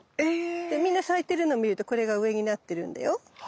でみんな咲いてるの見るとこれが上になってるんだよ。